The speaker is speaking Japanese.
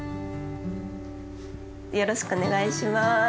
よろしくお願いします。